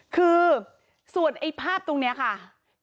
คือส่วนไอ้ภาพตรงนี้ค่ะ